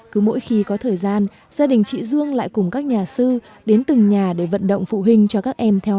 cứ mỗi khi có thời gian gia đình chị dương lại cùng các nhà sư đến từng nhà để vận động phụ huynh cho các em theo